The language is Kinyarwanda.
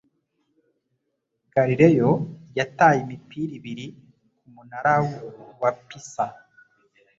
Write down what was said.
Galileo yataye imipira ibiri ku Munara wa Pisa.